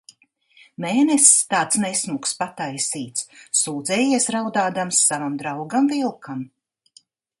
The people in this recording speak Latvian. Mēness, tāds nesmuks pataisīts, sūdzējies raudādams savam draugam vilkam.